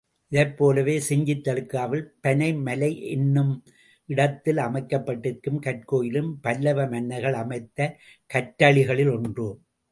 இதைப்போலவே செஞ்சித் தாலுக்காவிலே பனை மலை என்னும் இடத்திலே அமைக்கப்பட்டிருக்கும் கற்கோயிலும் பல்லவ மன்னர்கள் அமைத்த கற்றளிகளில் ஒன்று.